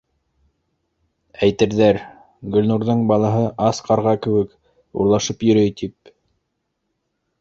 Әйтерҙәр, Гөлнурҙың балаһы ас ҡарға кеүек урлашып йөрөй, тип.